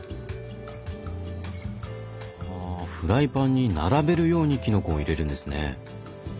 フライパンに並べるようにきのこを入れるんですね。